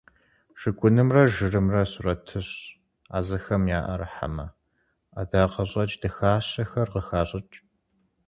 Шыгунымрэ жырымрэ сурэтыщӀ Ӏэзэхэм яӀэрыхьэмэ, ӀэдакъэщӀэкӀ дахащэхэр къыхащӀыкӀ.